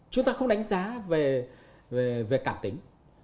chúng ta không đánh giá về cảm tính